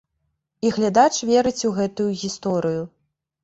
І глядач верыць у гэтую гісторыю.